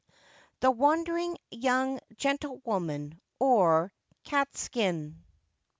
THE WANDERING YOUNG GENTLEWOMAN; OR, CATSKIN.